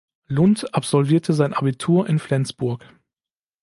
Lund absolvierte sein Abitur in Flensburg.